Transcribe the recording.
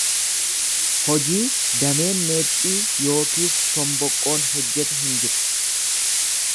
Hojii dameen meexxii yookiis shomboqqoon hojjetu hin jiru.